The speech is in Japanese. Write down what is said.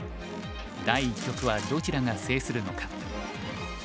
第一局はどちらが制するのか。